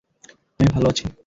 আমি ভাল আছি।